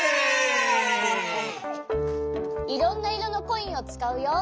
いろんないろのコインをつかうよ。